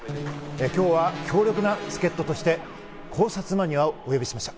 今日は強力な助っ人として考察マニアをお呼びしました。